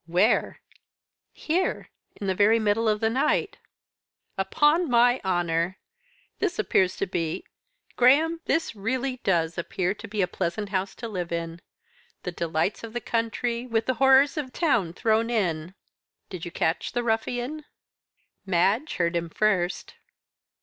"Where?" "Here in the very middle of the night." "Upon my honour! this appears to be Graham, this really does appear to be a pleasant house to live in. The delights of the country, with the horrors of town thrown in. Did you catch the ruffian?" "Madge heard him first."